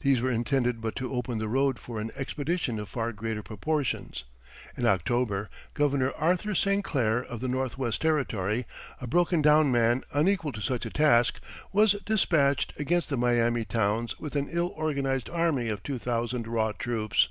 These were intended but to open the road for an expedition of far greater proportions. In October, Governor Arthur St. Clair, of the Northwest Territory, a broken down man unequal to such a task, was despatched against the Miami towns with an ill organized army of two thousand raw troops.